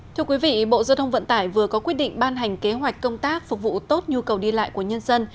thưa quý vị bộ giao thông vận tải vừa có quyết định ban hành kế hoạch công tác phục vụ tốt nhu cầu đi lại của nhân dân